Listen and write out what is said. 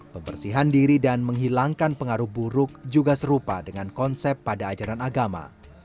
pembersihan diri dan menghilangkan pengaruh buruk juga serupa dengan konsep pada ajaran agama